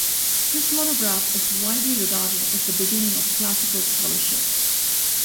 This monograph is widely regarded as the beginning of classical scholarship.